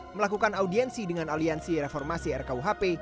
melakukan audiensi dengan aliansi reformasi rkuhp